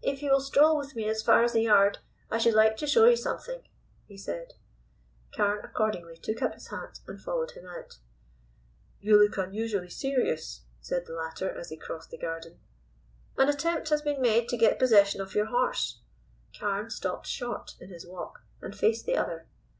"If you will stroll with me as far as the yard, I should like to show you something," he said. Carne accordingly took up his hat and followed him out. "You look unusually serious," said the latter as they crossed the garden. "An attempt has been made to get possession of your horse." Carne stopped short in his walk and faced the other.